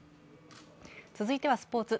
続いてはスポーツ。